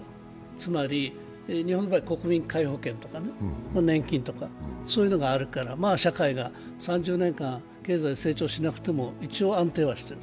つまり、日本は国民皆保険とか年金とか、そういうのがあるから、社会が３０年間経済成長しなくても一応、安定している。